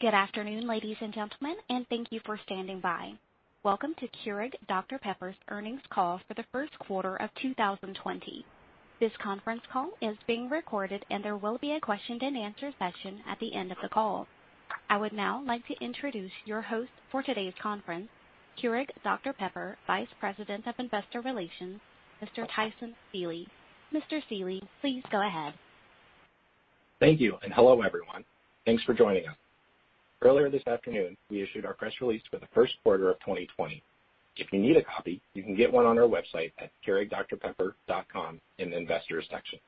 Good afternoon, ladies and gentlemen, and thank you for standing by. Welcome to Keurig Dr Pepper's Earnings Call for the First Quarter of 2020. This conference call is being recorded, and there will be a question and answer session at the end of the call. I would now like to introduce your host for today's conference, Keurig Dr Pepper Vice President of Investor Relations, Mr. Tyson Seely. Mr. Seely, please go ahead. Thank you. Hello, everyone. Thanks for joining us. Earlier this afternoon, we issued our press release for the first quarter of 2020. If you need a copy, you can get one on our website at keurigdrpepper.com in the Investors section.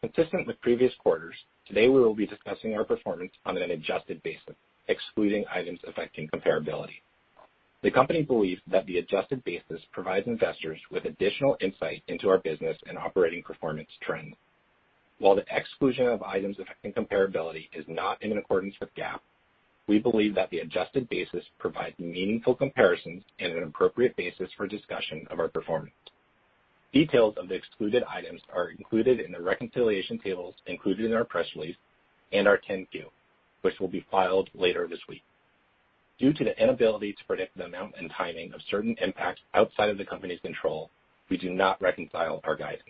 Consistent with previous quarters, today we will be discussing our performance on an adjusted basis, excluding items affecting comparability. The company believes that the adjusted basis provides investors with additional insight into our business and operating performance trends. While the exclusion of items affecting comparability is not in accordance with GAAP, we believe that the adjusted basis provides meaningful comparisons and an appropriate basis for discussion of our performance. Details of the excluded items are included in the reconciliation tables included in our press release and our 10-Q, which will be filed later this week. Due to the inability to predict the amount and timing of certain impacts outside of the company's control, we do not reconcile our guidance.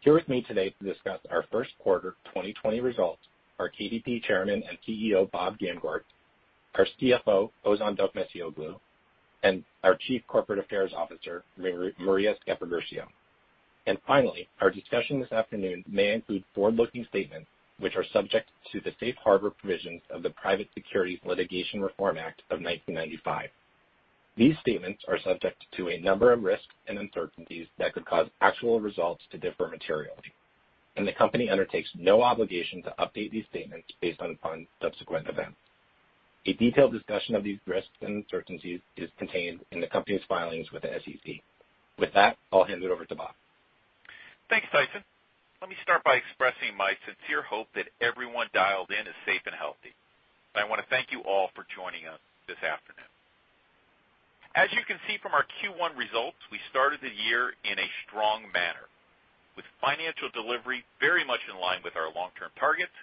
Here with me today to discuss our first quarter 2020 results are KDP Chairman and CEO, Bob Gamgort, our CFO, Ozan Dokmecioglu, and our Chief Corporate Affairs Officer, Maria Sceppaguercio. Finally, our discussion this afternoon may include forward-looking statements which are subject to the Safe Harbor provisions of the Private Securities Litigation Reform Act of 1995. These statements are subject to a number of risks and uncertainties that could cause actual results to differ materially, and the company undertakes no obligation to update these statements based upon subsequent events. A detailed discussion of these risks and uncertainties is contained in the company's filings with the SEC. With that, I'll hand it over to Bob. Thanks, Tyson. Let me start by expressing my sincere hope that everyone dialed in is safe and healthy. I want to thank you all for joining us this afternoon. As you can see from our Q1 results, we started the year in a strong manner, with financial delivery very much in line with our long-term targets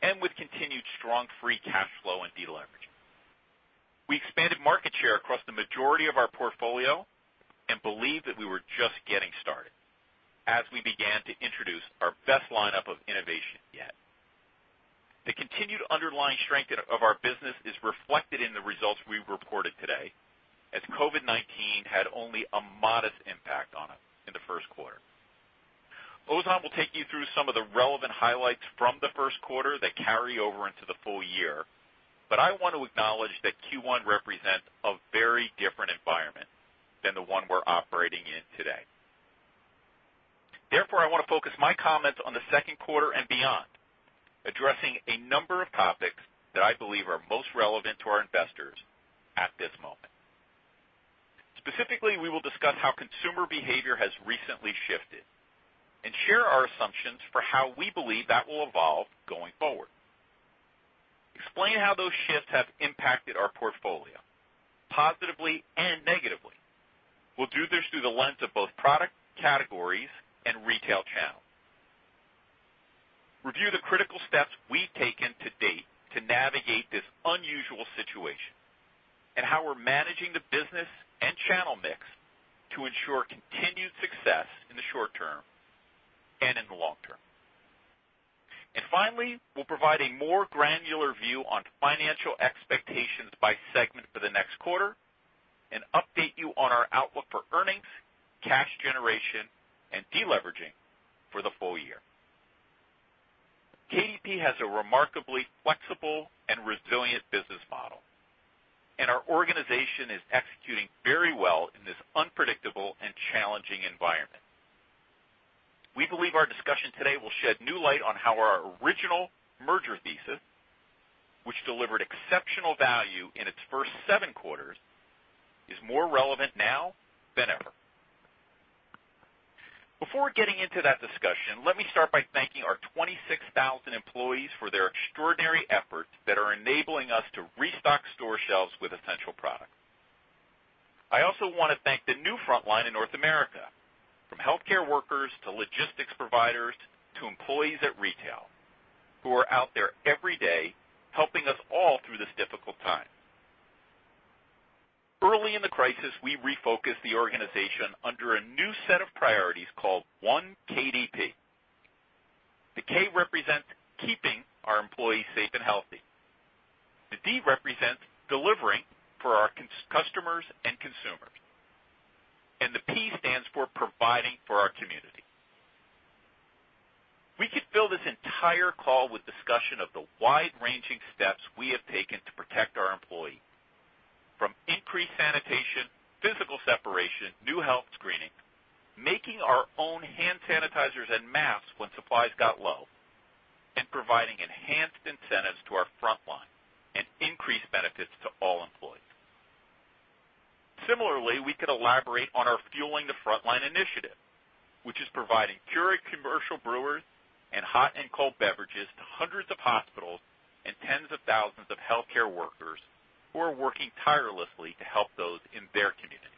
and with continued strong free cash flow and deleveraging. We expanded market share across the majority of our portfolio and believe that we were just getting started as we began to introduce our best lineup of innovation yet. The continued underlying strength of our business is reflected in the results we reported today, as COVID-19 had only a modest impact on it in the first quarter. Ozan will take you through some of the relevant highlights from the first quarter that carry over into the full year. I want to acknowledge that Q1 represents a very different environment than the one we're operating in today. I want to focus my comments on the second quarter and beyond, addressing a number of topics that I believe are most relevant to our investors at this moment. Specifically, we will discuss how consumer behavior has recently shifted and share our assumptions for how we believe that will evolve going forward. Explain how those shifts have impacted our portfolio, positively and negatively. We'll do this through the lens of both product categories and retail channels. Review the critical steps we've taken to date to navigate this unusual situation and how we're managing the business and channel mix to ensure continued success in the short term and in the long term. Finally, we'll provide a more granular view on financial expectations by segment for the next quarter and update you on our outlook for earnings, cash generation, and deleveraging for the full year. KDP has a remarkably flexible and resilient business model, and our organization is executing very well in this unpredictable and challenging environment. We believe our discussion today will shed new light on how our original merger thesis, which delivered exceptional value in its first seven quarters, is more relevant now than ever. Before getting into that discussion, let me start by thanking our 26,000 employees for their extraordinary efforts that are enabling us to restock store shelves with essential products. I also want to thank the new front line in North America, from healthcare workers to logistics providers to employees at retail who are out there every day helping us all through this difficult time. Early in the crisis, we refocused the organization under a new set of priorities called 1KDP. The K represents keeping our employees safe and healthy. The D represents delivering for our customers and consumers, and the P stands for providing for our community. We could fill this entire call with discussion of the wide-ranging steps we have taken to protect our employees, from increased sanitation, physical separation, new health screening, making our own hand sanitizers and masks when supplies got low, and providing enhanced incentives to our front line and increased benefits to all employees. Similarly, we could elaborate on our Fueling the Frontline initiative, which is providing Keurig commercial brewers and hot and cold beverages to hundreds of hospitals and tens of thousands of healthcare workers who are working tirelessly to help those in their community.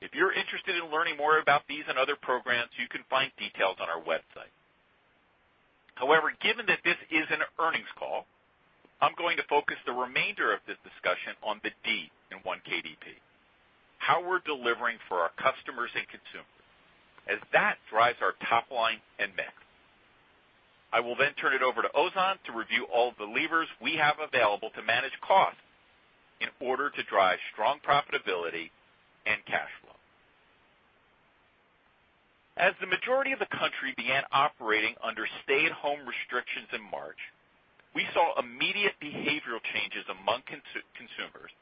If you're interested in learning more about these and other programs, you can find details on our website. Given that this is an earnings call, I'm going to focus the remainder of this discussion on the D in 1KDP, how we're delivering for our customers and consumers, as that drives our top line and mix. I will then turn it over to Ozan to review all the levers we have available to manage costs in order to drive strong profitability and cash flow. As the majority of the country began operating under stay-at-home restrictions in March, we saw immediate behavioral changes among consumers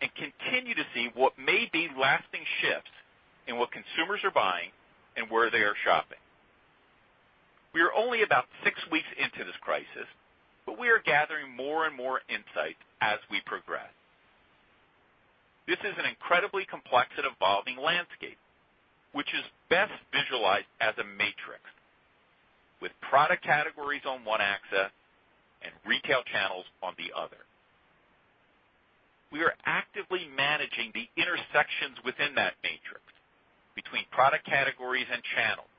and continue to see what may be lasting shifts in what consumers are buying and where they are shopping. We are only about six weeks into this crisis, but we are gathering more and more insight as we progress. This is an incredibly complex and evolving landscape, which is best visualized as a matrix with product categories on one axis and retail channels on the other. We are actively managing the intersections within that matrix between product categories and channels,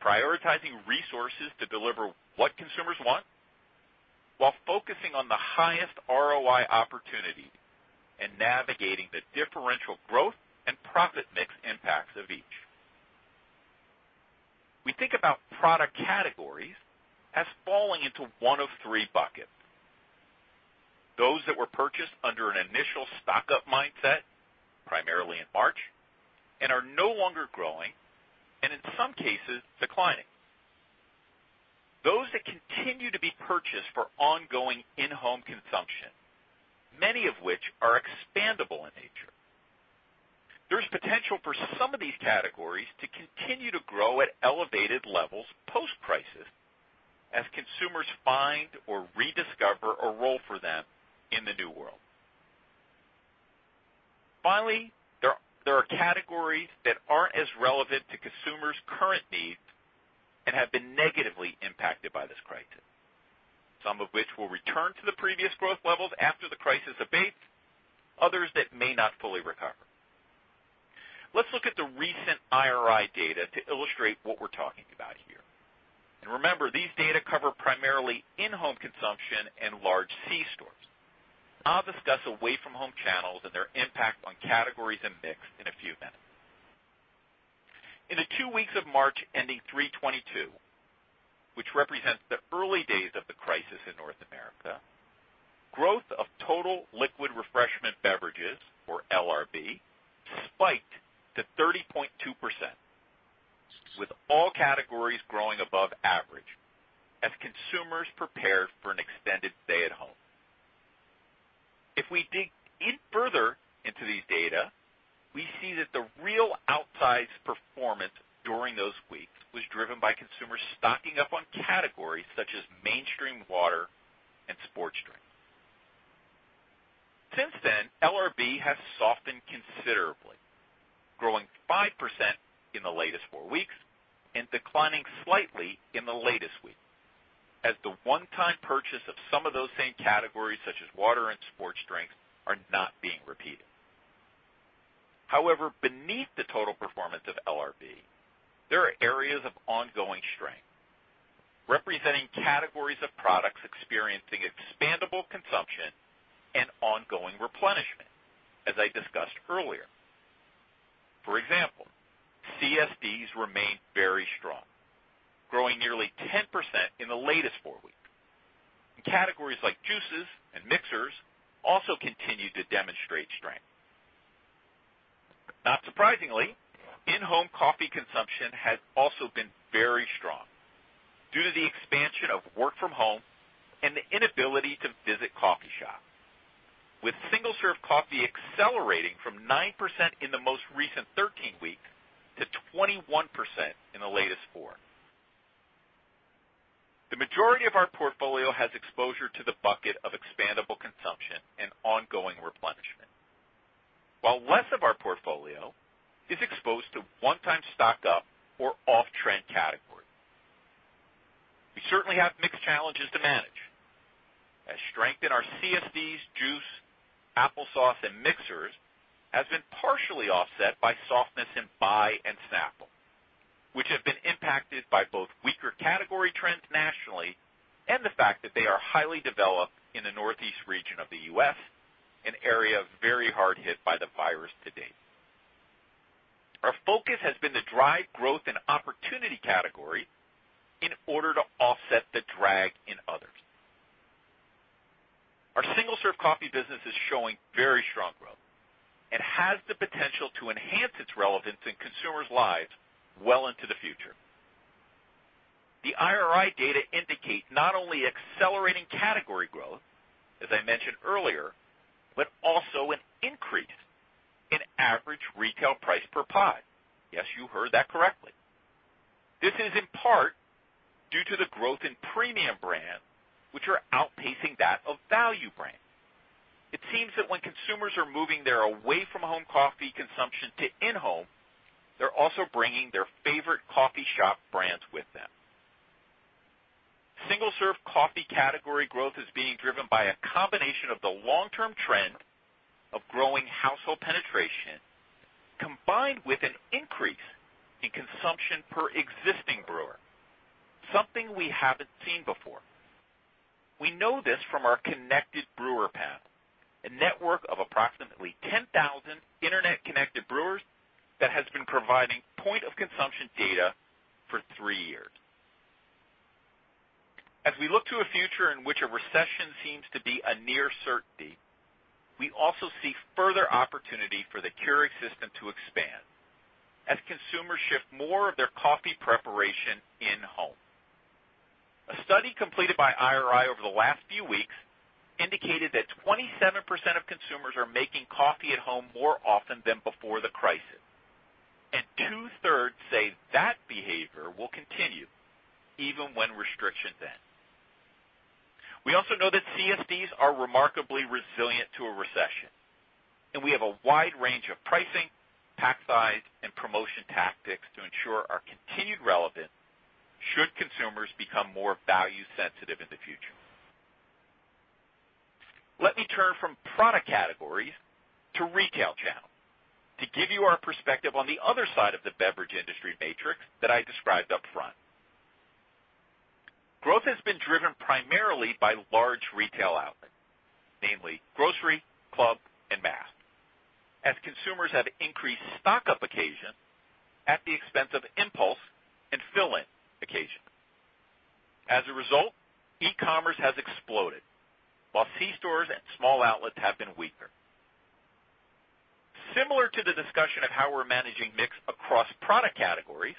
prioritizing resources to deliver what consumers want while focusing on the highest ROI opportunity and navigating the differential growth and profit mix impacts of each. We think about product categories as falling into one of three buckets. Those that were purchased under an initial stock-up mindset, primarily in March, and are no longer growing, and in some cases, declining. Those that continue to be purchased for ongoing in-home consumption, many of which are expandable in nature. There's potential for some of these categories to continue to grow at elevated levels post-crisis, as consumers find or rediscover a role for them in the new world. Finally, there are categories that aren't as relevant to consumers' current needs and have been negatively impacted by this crisis, some of which will return to the previous growth levels after the crisis abates, others that may not fully recover. Let's look at the recent IRI data to illustrate what we're talking about here. Remember, these data cover primarily in-home consumption and large C stores. I'll discuss away-from-home channels and their impact on categories and mix in a few minutes. In the two weeks of March ending 3/22, which represents the early days of the crisis in North America, growth of total Liquid Refreshment Beverages, or LRB, spiked to 30.2%, with all categories growing above average as consumers prepared for an extended stay at home. If we dig in further into these data, we see that the real outsized performance during those weeks was driven by consumers stocking up on categories such as mainstream water and sports drinks. Since then, LRB has softened considerably, growing 5% in the latest four weeks and declining slightly in the latest week, as the one-time purchase of some of those same categories, such as water and sports drinks, are not being repeated. However, beneath the total performance of LRB, there are areas of ongoing strength representing categories of products experiencing expandable consumption and ongoing replenishment, as I discussed earlier. For example, CSDs remain very strong, growing nearly 10% in the latest four weeks. Categories like juices and mixers also continue to demonstrate strength. Not surprisingly, in-home coffee consumption has also been very strong due to the expansion of work from home and the inability to visit coffee shops, with single-serve coffee accelerating from 9% in the most recent 13 weeks to 21% in the latest four. The majority of our portfolio has exposure to the bucket of expandable consumption and ongoing replenishment, while less of our portfolio is exposed to one-time stock-up or off-trend categories. We certainly have mixed challenges to manage, as strength in our CSDs, juice, applesauce, and mixers has been partially offset by softness in Bai and Snapple, which have been impacted by both weaker category trends nationally and the fact that they are highly developed in the northeast region of the U.S., an area very hard hit by the virus to date. Our focus has been to drive growth in opportunity category in order to offset the drag in others. Our single-serve coffee business is showing very strong growth and has the potential to enhance its relevance in consumers' lives well into the future. The IRI data indicate not only accelerating category growth, as I mentioned earlier, but also an increase in average retail price per pod. Yes, you heard that correctly. This is in part due to the growth in premium brands, which are outpacing that of value brands. It seems that when consumers are moving their away-from-home coffee consumption to in-home, they're also bringing their favorite coffee shop brands with them. Single-serve coffee category growth is being driven by a combination of the long-term trend of growing household penetration, combined with an increase in consumption per existing brewer, something we haven't seen before. We know this from our connected brewer panel, a network of approximately 10,000 internet-connected brewers that has been providing point-of-consumption data for three years. As we look to a future in which a recession seems to be a near certainty, we also see further opportunity for the Keurig system to expand as consumers shift more of their coffee preparation in-home. A study completed by IRI over the last few weeks indicated that 27% of consumers are making coffee at home more often than before the crisis. Two-thirds say that behavior will continue even when restrictions end. We also know that CSDs are remarkably resilient to a recession. We have a wide range of pricing, pack size, and promotion tactics to ensure our continued relevance should consumers become more value-sensitive in the future. Let me turn from product categories to retail channels to give you our perspective on the other side of the beverage industry matrix that I described upfront. Growth has been driven primarily by large retail outlets, namely grocery, club, and mass, as consumers have increased stock-up occasion at the expense of impulse and fill-in occasion. As a result, e-commerce has exploded, while C stores and small outlets have been weaker. Similar to the discussion of how we're managing mix across product categories,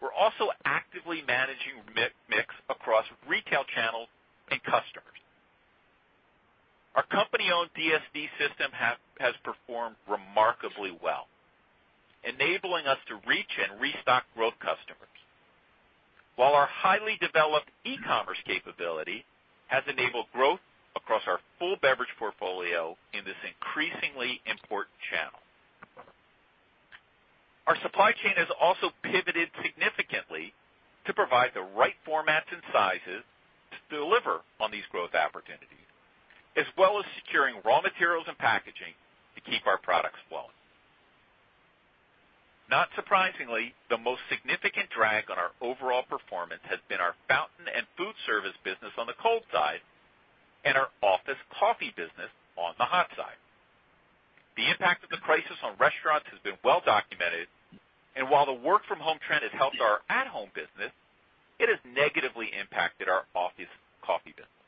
we're also actively managing mix across retail channels and customers. Our company-owned DSD system has performed remarkably well, enabling us to reach and restock growth customers, while our highly developed e-commerce capability has enabled growth across our full beverage portfolio in this increasingly important channel. Our supply chain has also pivoted significantly to provide the right formats and sizes to deliver on these growth opportunities, as well as securing raw materials and packaging to keep our products flowing. Not surprisingly, the most significant drag on our overall performance has been our fountain and food service business on the cold side and our office coffee business on the hot side. The impact of the crisis on restaurants has been well-documented, and while the work-from-home trend has helped our at-home business, it has negatively impacted our office coffee business.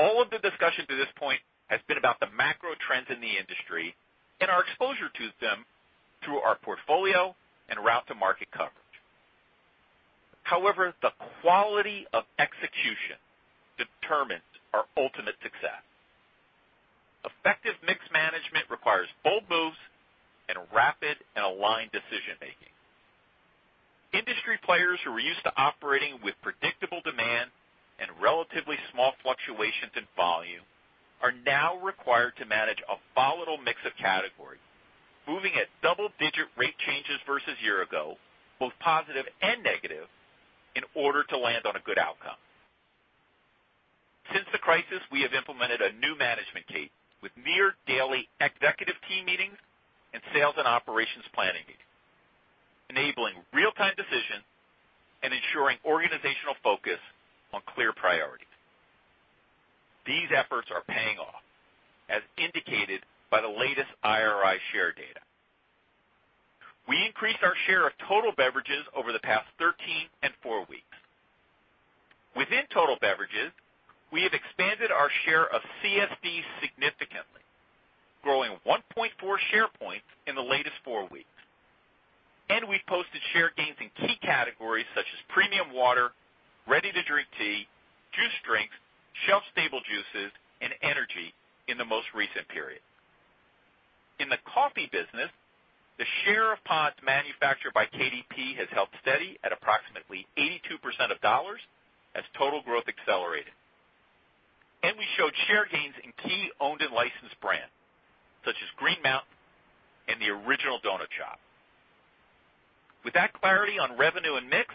All of the discussion to this point has been about the macro trends in the industry and our exposure to them through our portfolio and route-to-market coverage. However, the quality of execution determines our ultimate success. Effective mix management requires bold moves and rapid and aligned decision-making. Industry players who are used to operating with predictable demand and relatively small fluctuations in volume are now required to manage a volatile mix of categories, moving at double-digit rate changes versus year ago, both positive and negative, in order to land on a good outcome. Since the crisis, we have implemented a new management team with near-daily executive team meetings and sales and operations planning meetings, enabling real-time decision and ensuring organizational focus on clear priorities. These efforts are paying off, as indicated by the latest IRI share data. We increased our share of total beverages over the past 13 and four weeks. Within total beverages, we have expanded our share of CSD significantly, growing 1.4 share points in the latest four weeks. We've posted share gains in key categories such as premium water, ready-to-drink tea, juice drinks, shelf-stable juices, and energy in the most recent period. In the coffee business, the share of pods manufactured by KDP has held steady at approximately 82% of dollars as total growth accelerated. We showed share gains in key owned and licensed brands, such as Green Mountain and The Original Donut Shop. With that clarity on revenue and mix,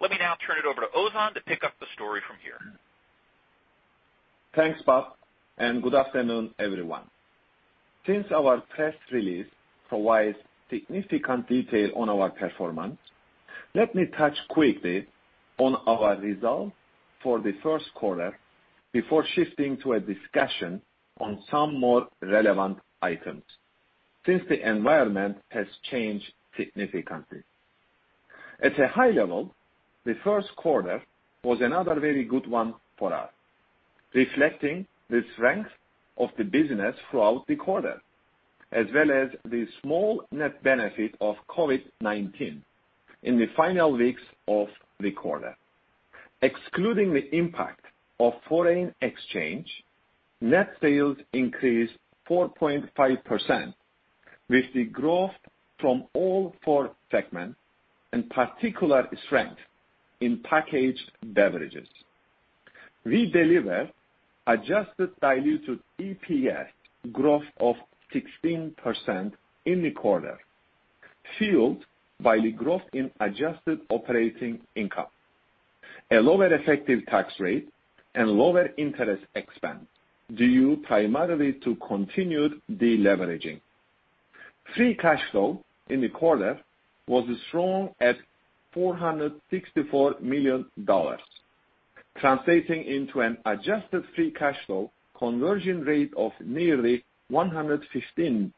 let me now turn it over to Ozan to pick up the story from here. Thanks, Bob. Good afternoon, everyone. Since our press release provides significant detail on our performance, let me touch quickly on our results for the first quarter before shifting to a discussion on some more relevant items, since the environment has changed significantly. At a high level, the first quarter was another very good one for us, reflecting the strength of the business throughout the quarter, as well as the small net benefit of COVID-19 in the final weeks of the quarter. Excluding the impact of foreign exchange, net sales increased 4.5% with the growth from all four segments and particular strength in packaged beverages. We deliver adjusted diluted EPS growth of 16% in the quarter, fueled by the growth in adjusted operating income, a lower effective tax rate, and lower interest expense due primarily to continued deleveraging. Free cash flow in the quarter was strong at $464 million, translating into an adjusted free cash flow conversion rate of nearly 115%.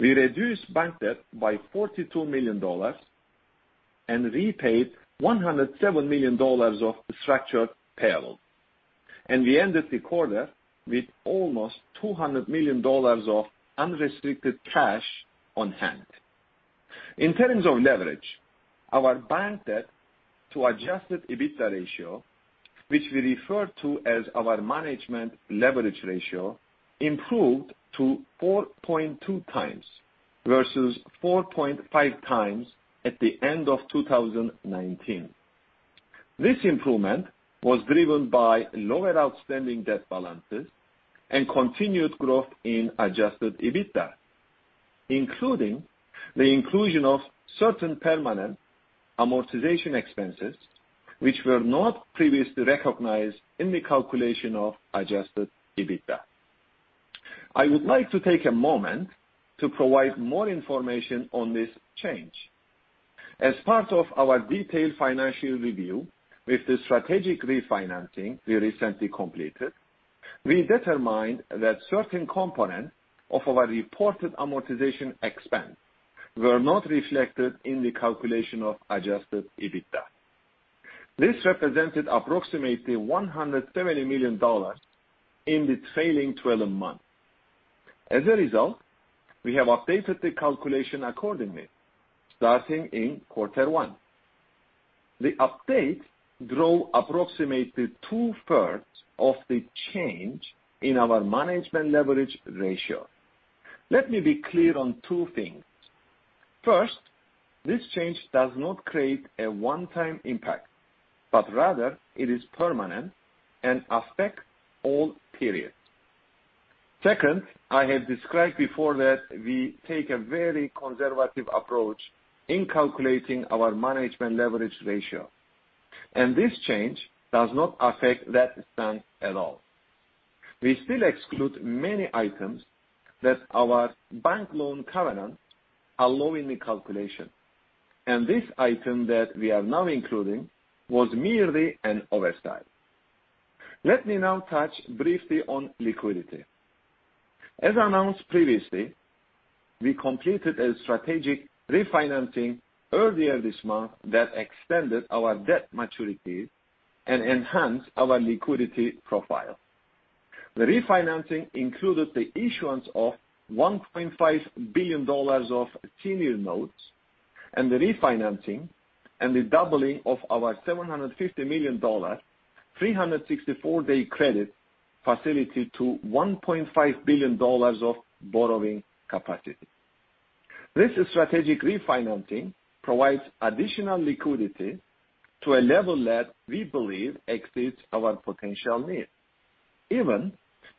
We reduced bank debt by $42 million and repaid $107 million of the structured payout. We ended the quarter with almost $200 million of unrestricted cash on hand. In terms of leverage, our bank debt to adjusted EBITDA ratio, which we refer to as our management leverage ratio, improved to 4.2x versus 4.5x at the end of 2019. This improvement was driven by lower outstanding debt balances and continued growth in adjusted EBITDA, including the inclusion of certain permanent amortization expenses which were not previously recognized in the calculation of adjusted EBITDA. I would like to take a moment to provide more information on this change. As part of our detailed financial review with the strategic refinancing we recently completed, we determined that certain components of our reported amortization expense were not reflected in the calculation of adjusted EBITDA. This represented approximately $170 million in the trailing 12 months. We have updated the calculation accordingly, starting in quarter one. The update drove approximately two-thirds of the change in our management leverage ratio. Let me be clear on two things. First, this change does not create a one-time impact, but rather it is permanent and affects all periods. Second, I have described before that we take a very conservative approach in calculating our management leverage ratio. This change does not affect that stance at all. We still exclude many items that our bank loan covenants allow in the calculation. This item that we are now including was merely an oversight. Let me now touch briefly on liquidity. As announced previously, we completed a strategic refinancing earlier this month that extended our debt maturity and enhanced our liquidity profile. The refinancing included the issuance of $1.5 billion of senior notes and the refinancing and the doubling of our $750 million, 364-day credit facility to $1.5 billion of borrowing capacity. This strategic refinancing provides additional liquidity to a level that we believe exceeds our potential needs, even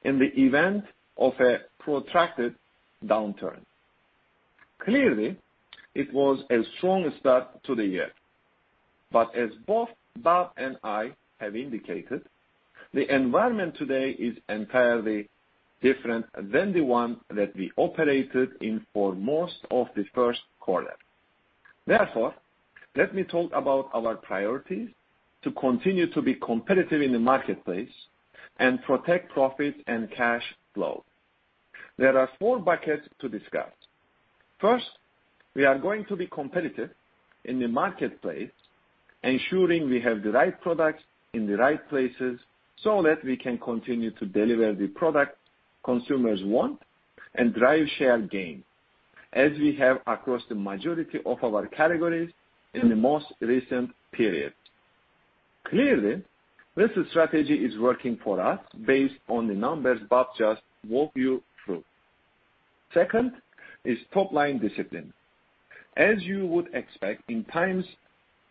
in the event of a protracted downturn. Clearly, it was a strong start to the year. As both Bob and I have indicated, the environment today is entirely different than the one that we operated in for most of the first quarter. Therefore, let me talk about our priorities to continue to be competitive in the marketplace and protect profit and cash flow. There are four buckets to discuss. First, we are going to be competitive in the marketplace, ensuring we have the right products in the right places, so that we can continue to deliver the product consumers want and drive share gain, as we have across the majority of our categories in the most recent period. Clearly, this strategy is working for us based on the numbers Bob just walked you through. Second is top-line discipline. As you would expect in times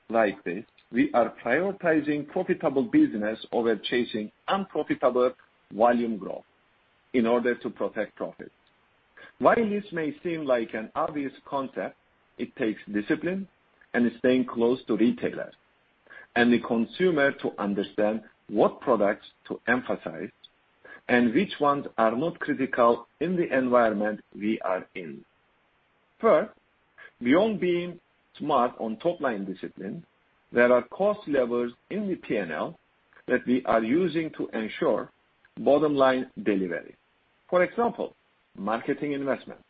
like this, we are prioritizing profitable business over chasing unprofitable volume growth in order to protect profit. While this may seem like an obvious concept, it takes discipline and staying close to retailers and the consumer to understand what products to emphasize and which ones are not critical in the environment we are in. Third, beyond being smart on top-line discipline, there are cost levers in the P&L that we are using to ensure bottom-line delivery. For example, marketing investment.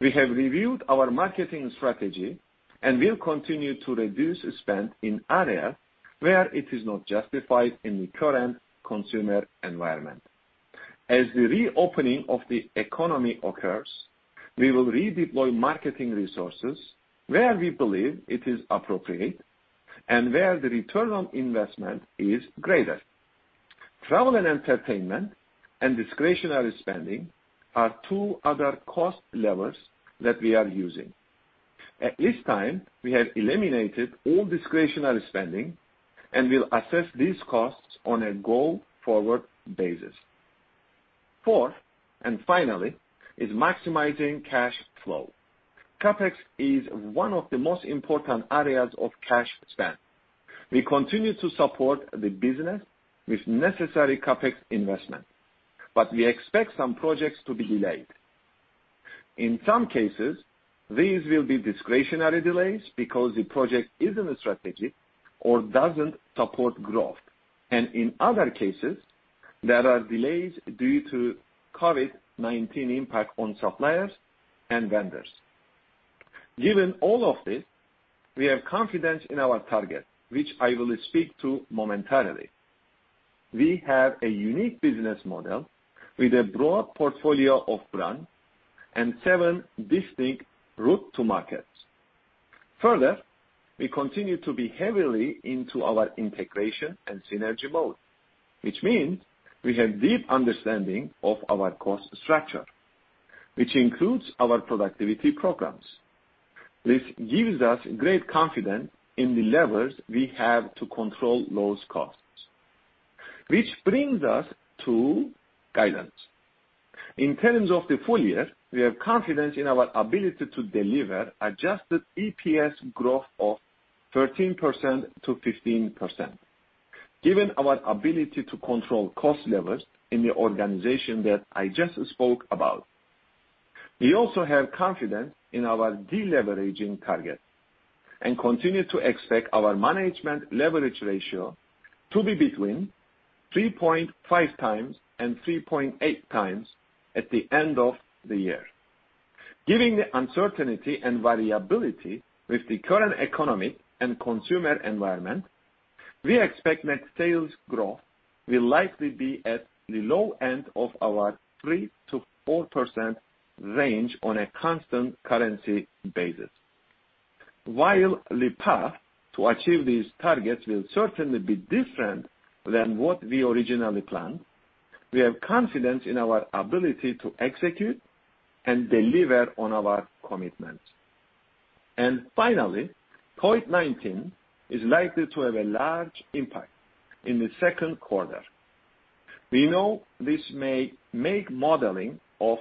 We have reviewed our marketing strategy and will continue to reduce spend in areas where it is not justified in the current consumer environment. As the reopening of the economy occurs, we will redeploy marketing resources where we believe it is appropriate and where the return on investment is greater. Travel and entertainment and discretionary spending are two other cost levers that we are using. At this time, we have eliminated all discretionary spending and will assess these costs on a go-forward basis. Fourth, and finally, is maximizing cash flow. CapEx is one of the most important areas of cash spend. We continue to support the business with necessary CapEx investment, but we expect some projects to be delayed. In some cases, these will be discretionary delays because the project isn't strategic or doesn't support growth. In other cases, there are delays due to COVID-19 impact on suppliers and vendors. Given all of this, we have confidence in our target, which I will speak to momentarily. We have a unique business model with a broad portfolio of brands and seven distinct route to markets. Further, we continue to be heavily into our integration and synergy mode, which means we have deep understanding of our cost structure, which includes our productivity programs. This gives us great confidence in the levers we have to control those costs. Which brings us to guidance. In terms of the full year, we have confidence in our ability to deliver adjusted EPS growth of 13%-15%, given our ability to control cost levels in the organization that I just spoke about. We also have confidence in our de-leveraging target and continue to expect our management leverage ratio to be between 3.5x and 3.8x at the end of the year. Given the uncertainty and variability with the current economy and consumer environment, we expect net sales growth will likely be at the low end of our 3%-4% range on a constant currency basis. While the path to achieve these targets will certainly be different than what we originally planned, we have confidence in our ability to execute and deliver on our commitments. Finally, COVID-19 is likely to have a large impact in the second quarter. We know this may make modeling of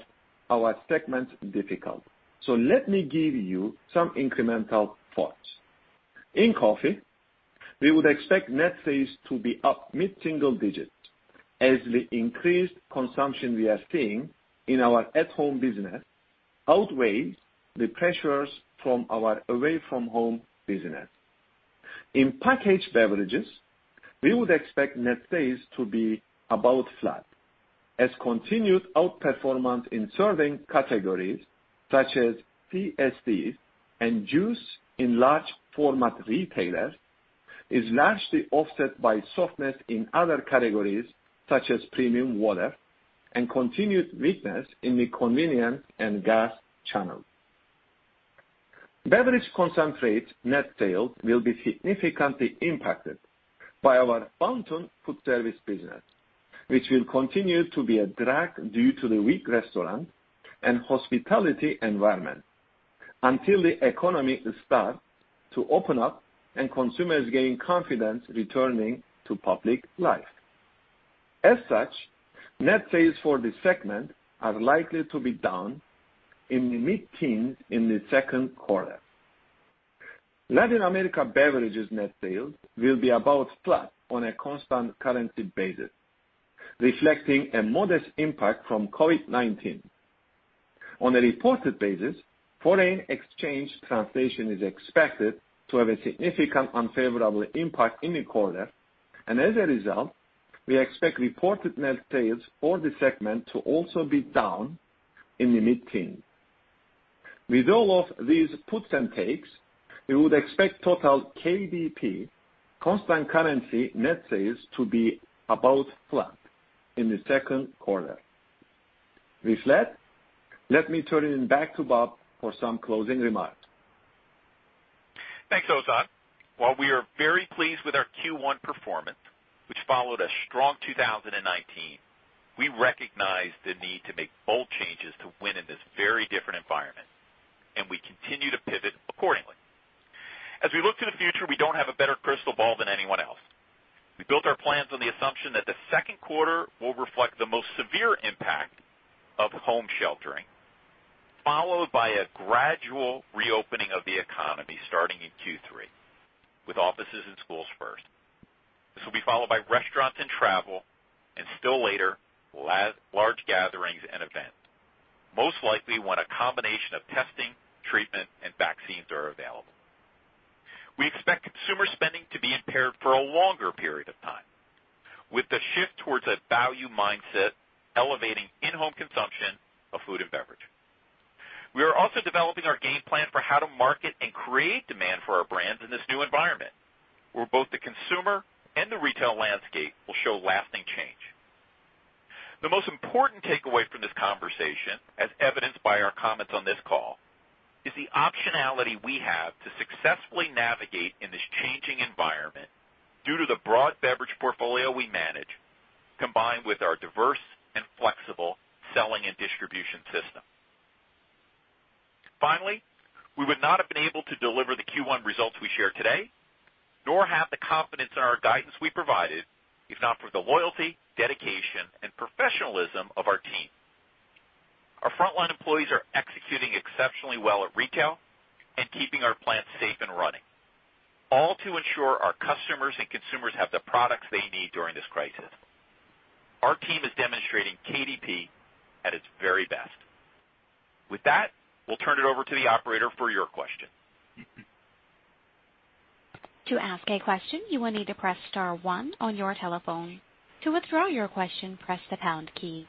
our segments difficult. Let me give you some incremental thoughts. In coffee, we would expect net sales to be up mid-single digits as the increased consumption we are seeing in our at-home business outweighs the pressures from our away-from-home business. In packaged beverages, we would expect net sales to be about flat as continued outperformance in serving categories such as CSD and juice in large format retailers is largely offset by softness in other categories such as premium water and continued weakness in the convenience and gas channels. Beverage concentrates net sales will be significantly impacted by our fountain food service business, which will continue to be a drag due to the weak restaurant and hospitality environment until the economy starts to open up and consumers gain confidence returning to public life. Net sales for this segment are likely to be down in the mid-teens in the second quarter. Latin America beverages net sales will be about flat on a constant currency basis, reflecting a modest impact from COVID-19. On a reported basis, foreign exchange translation is expected to have a significant unfavorable impact in the quarter, and as a result, we expect reported net sales for the segment to also be down in the mid-teens. With all of these puts and takes, we would expect total KDP constant currency net sales to be about flat in the second quarter. With that, let me turn it back to Bob for some closing remarks. Thanks, Ozan. While we are very pleased with our Q1 performance, which followed a strong 2019, we recognize the need to make bold changes to win in this very different environment, and we continue to pivot accordingly. As we look to the future, we don't have a better crystal ball than anyone else. We built our plans on the assumption that the second quarter will reflect the most severe impact of home sheltering, followed by a gradual reopening of the economy starting in Q3, with offices and schools first. This will be followed by restaurants and travel, and still later, large gatherings and events, most likely when a combination of testing, treatment, and vaccines are available. We expect consumer spending to be impaired for a longer period of time, with the shift towards a value mindset elevating in-home consumption of food and beverage. We are also developing our game plan for how to market and create demand for our brands in this new environment, where both the consumer and the retail landscape will show lasting change. The most important takeaway from this conversation, as evidenced by our comments on this call, is the optionality we have to successfully navigate in this changing environment due to the broad beverage portfolio we manage, combined with our diverse and flexible selling and distribution system. Finally, we would not have been able to deliver the Q1 results we share today, nor have the confidence in our guidance we provided, if not for the loyalty, dedication, and professionalism of our team. Our frontline employees are executing exceptionally well at retail and keeping our plants safe and running, all to ensure our customers and consumers have the products they need during this crisis. Our team is demonstrating KDP at its very best. With that, we'll turn it over to the operator for your question. To ask a question, you will need to press star one on your telephone. To withdraw your question, press the pound key.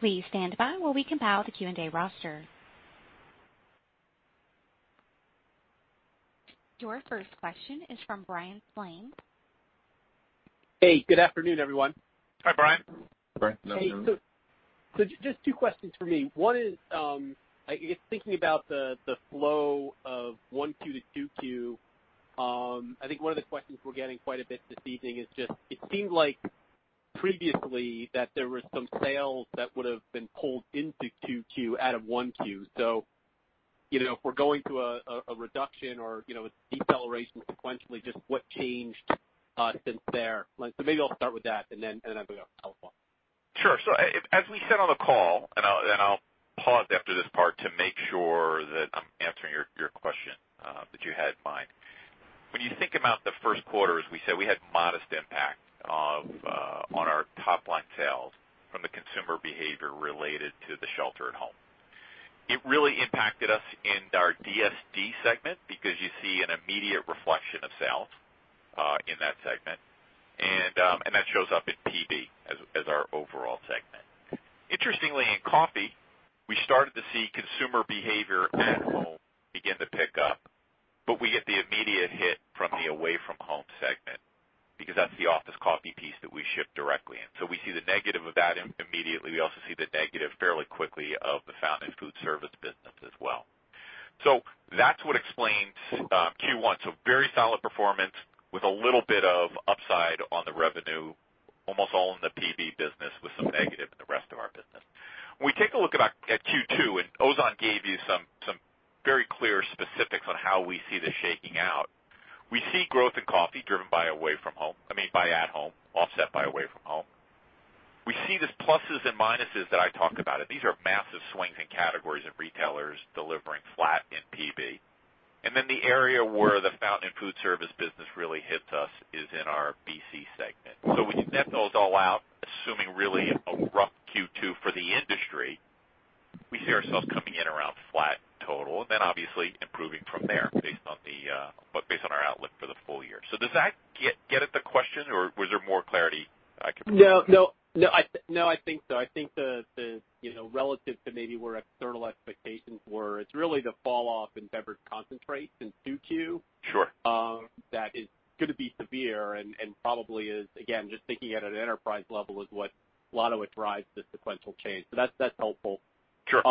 Please stand by while we compile the Q&A roster. Your first question is from Bryan Spillane. Hey, good afternoon, everyone. Hi, Bryan. Bryan, good afternoon. Hey, just two questions from me. One is, I guess thinking about the flow of 1Q to 2Q, I think one of the questions we're getting quite a bit this evening is just, it seemed like previously that there were some sales that would've been pulled into 2Q out of 1Q. If we're going to a reduction or a deceleration sequentially, just what changed since there? Maybe I'll start with that, and then I've got a follow-up. Sure. As we said on the call, and I'll pause after this part to make sure that I'm answering your question that you had in mind. When you think about the first quarter, as we said, we had modest impact on our top-line sales from the consumer behavior related to the shelter at home. It really impacted us in our DSD segment because you see an immediate reflection of sales, in that segment. That shows up in PB as our overall segment. Interestingly, in coffee, we started to see consumer behavior at home begin to pick up, but we get the immediate hit from the away from home segment, because that's the office coffee piece that we ship directly in. We see the negative of that immediately. We also see the negative fairly quickly of the fountain and food service business as well. That's what explains Q1. Very solid performance with a little bit of upside on the revenue, almost all in the PB business with some negative in the rest of our business. When we take a look at Q2, and Ozan gave you some very clear specifics on how we see this shaking out. We see growth in coffee driven by away from home, I mean, by at home, offset by away from home. We see this pluses and minuses that I talked about, and these are massive swings in categories of retailers delivering flat in PB. The area where the fountain and food service business really hits us is in our BC segment. When you net those all out, assuming really a rough Q2 for the industry, we see ourselves coming in around flat total, and then obviously improving from there based on our outlook for the full year. Does that get at the question, or was there more clarity I can provide? No, I think so. I think the relative to maybe where external expectations were, it's really the fall off in beverage concentrates in 2Q. Sure. That is going to be severe and probably is, again, just thinking at an enterprise level, is what a lot of it drives the sequential change. That's helpful. Sure.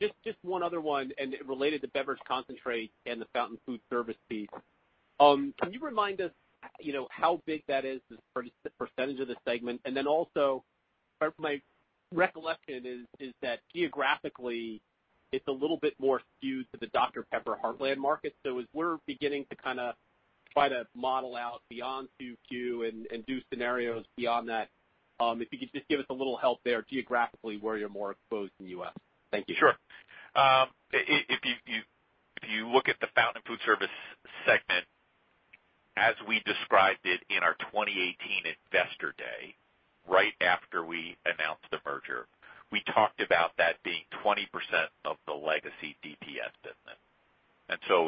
Just one other one, related to beverage concentrate and the fountain food service piece. Can you remind us how big that is as percentage of the segment? Also, my recollection is that geographically it's a little bit more skewed to the Dr Pepper Heartland market. As we're beginning to kind of try to model out beyond 2Q and do scenarios beyond that, if you could just give us a little help there geographically where you're more exposed in the U.S. Thank you. Sure. If you look at the fountain food service segment as we described it in our 2018 Investor Day, right after we announced the merger, we talked about that being 20% of the legacy DPS business.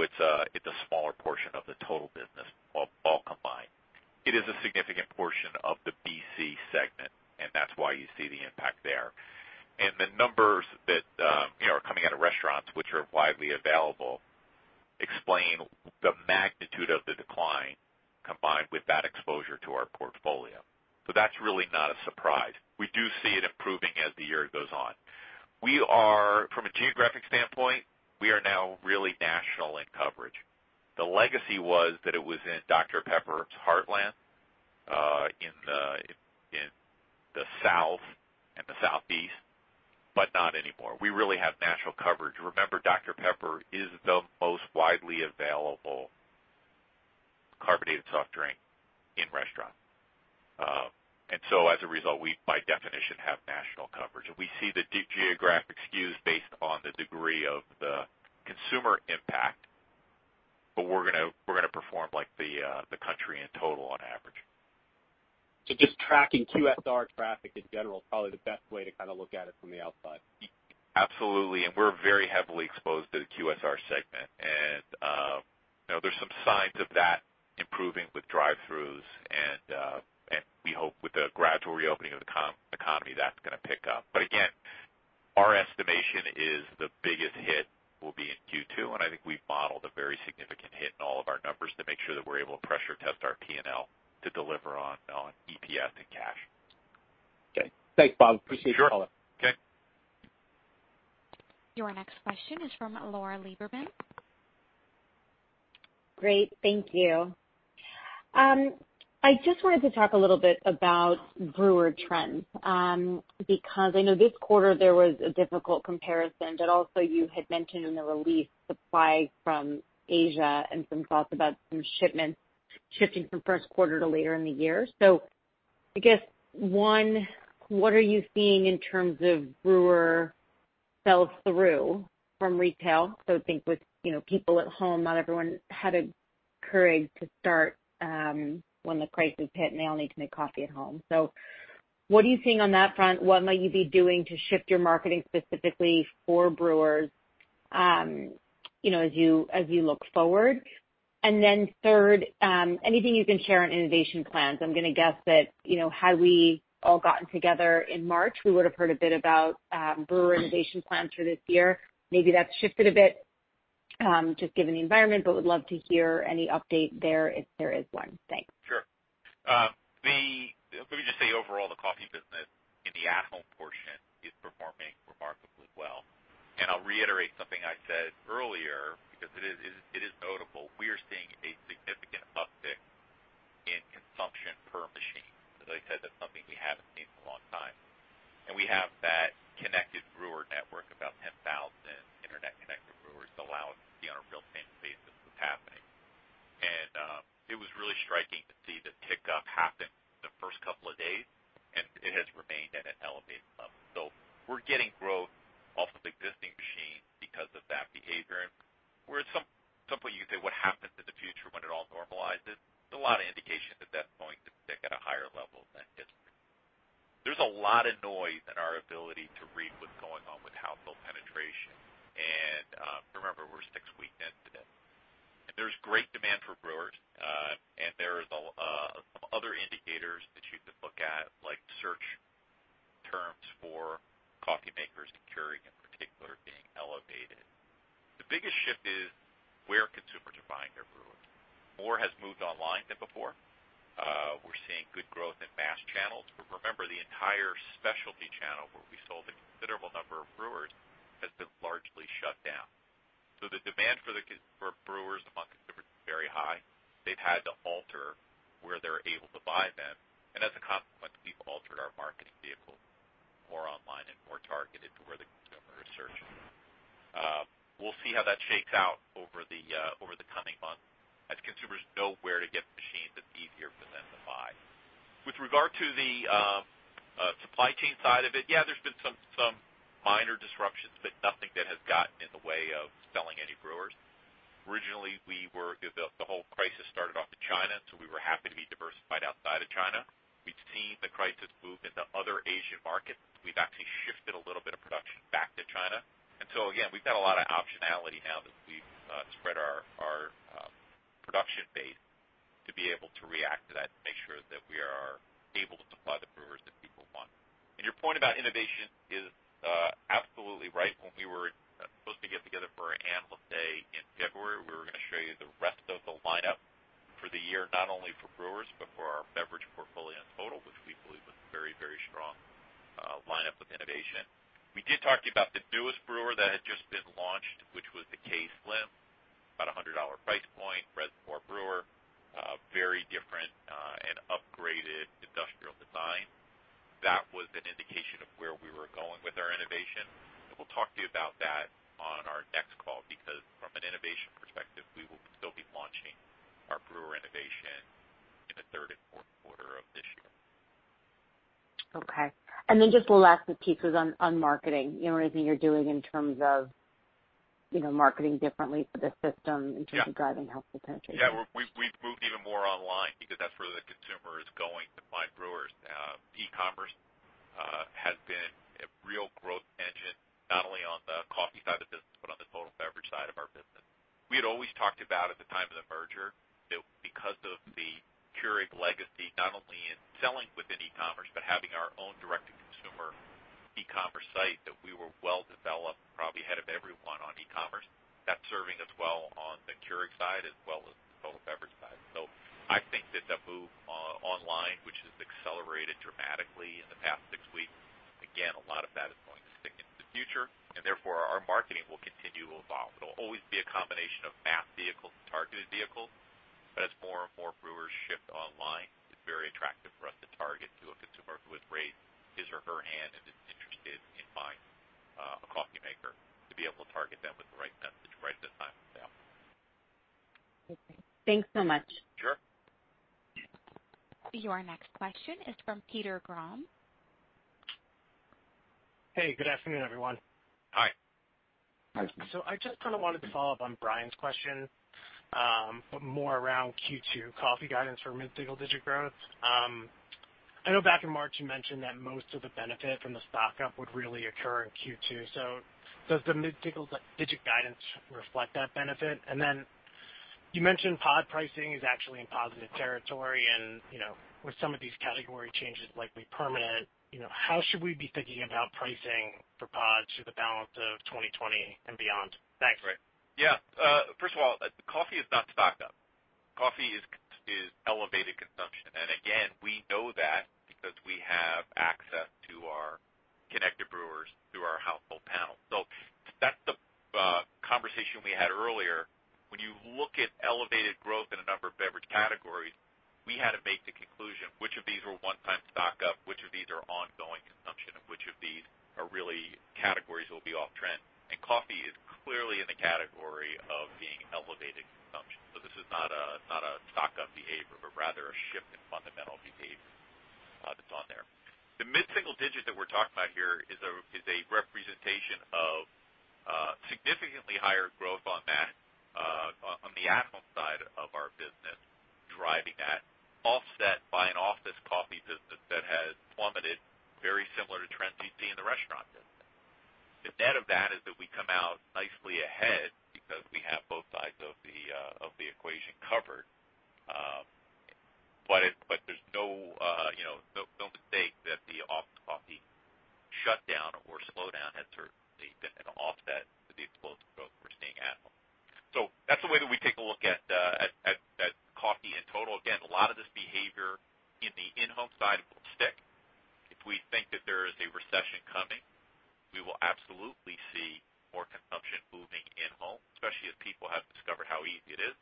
It's a smaller portion of the total business all combined. It is a significant portion of the BC segment, and that's why you see the impact there. The numbers that are coming out of restaurants, which are widely available, explain the magnitude of the decline combined with that exposure to our portfolio. That's really not a surprise. We do see it improving as the year goes on. From a geographic standpoint, we are now really national in coverage. The legacy was that it was in Dr Pepper's Heartland, in the South and the Southeast, but not anymore. We really have national coverage. Remember, Dr Pepper is the most widely available carbonated soft drink in restaurants. As a result, we by definition, have national coverage. We see the geographic skews based on the degree of the consumer impact, but we're gonna perform like the country in total on average. Just tracking QSR traffic in general is probably the best way to kind of look at it from the outside. Absolutely. We're very heavily exposed to the QSR segment. There's some signs of that improving with drive-throughs and, we hope with the gradual reopening of the economy, that's going to pick up. Again, our estimation is the biggest hit will be in Q2, and I think we've modeled a very significant hit in all of our numbers to make sure that we're able to pressure test our P&L to deliver on EPS and cash. Okay. Thanks, Bob. Appreciate the call. Sure. Okay. Your next question is from Lauren Lieberman. Great. Thank you. I just wanted to talk a little bit about brewer trends, because I know this quarter there was a difficult comparison, but also you had mentioned in the release supply from Asia and some thoughts about some shipments shifting from first quarter to later in the year. I guess, one, what are you seeing in terms of brewer sell-through from retail? Think with people at home, not everyone had a Keurig to start when the crisis hit, and they all need to make coffee at home. What are you seeing on that front? What might you be doing to shift your marketing specifically for brewers as you look forward? Then third, anything you can share on innovation plans? I'm going to guess that had we all gotten together in March, we would've heard a bit about brewer innovation plans for this year. Maybe that's shifted a bit, just given the environment, but would love to hear any update there if there is one. Thanks. Sure. Let me just say overall, the coffee business in the at-home portion is performing remarkably well. I'll reiterate something I said earlier, because it is notable. We are seeing a significant uptick in consumption per machine. As I said, that's something we haven't seen in a long time. We have that connected brewer network, about 10,000 internet-connected brewers allow us to be on a real-time basis what's happening. It was really striking to see the tick-up happen the first couple of days, and it has remained at an elevated level. We're getting growth yeah, there's been some minor disruptions, Keurig legacy, not only in selling within e-commerce, but having our own direct-to-consumer e-commerce site, that we were well developed, probably ahead of everyone on e-commerce. That's serving us well on the Keurig side as well as the total beverage side. I think that the move online, which has accelerated dramatically in the past six weeks, again, a lot of that is going to stick into the future, and therefore our marketing will continue to evolve. It'll always be a combination of mass vehicles and targeted vehicles. As more and more brewers shift online, it's very attractive for us to target to a consumer who has raised his or her hand and is interested in buying a coffee maker to be able to target them with the right message right at the time of sale. Okay. Thanks so much. Sure. Your next question is from Peter Grom. Hey, good afternoon, everyone. Hi. Hi. I just kind of wanted to follow up on Bryan's question, but more around Q2 coffee guidance for mid-single digit growth. I know back in March you mentioned that most of the benefit from the stock-up would really occur in Q2. Does the mid-single digit guidance reflect that benefit? You mentioned pod pricing is actually in positive territory and with some of these category changes likely permanent, how should we be thinking about pricing for pods through the balance of 2020 and beyond? Thanks. Right. Yeah. First of all, coffee is not stocked up. Coffee is elevated consumption. Again, we know that because we have access to our connected brewers through our household panel. That's the conversation we had earlier. When you look at elevated growth in a number of beverage categories, we had to make the conclusion which of these were one-time stock-up, which of these are ongoing consumption, and which of these are really categories that will be off trend. Coffee is clearly in the category of being elevated consumption. This is not a stock-up behavior, but rather a shift in fundamental behavior that's on there. The mid-single digit that we're talking about here is a representation of significantly higher growth on the at-home side of our business driving that, offset by an office coffee business that has plummeted very similar to trends you see in the restaurant business. The net of that is that we come out nicely ahead because we have both sides of the equation covered. There's no mistake that the office coffee shutdown or slowdown has certainly been an offset to the explosive growth we're seeing at home. That's the way that we take a look at coffee in total. Again, a lot of this behavior in the in-home side will stick. If we think that there is a recession coming, we will absolutely see more consumption moving in-home, especially as people have discovered how easy it is